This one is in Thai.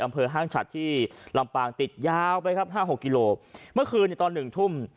ห้างฉัดที่ลำปางติดยาวไปครับห้าหกกิโลเมื่อคืนในตอนหนึ่งทุ่ม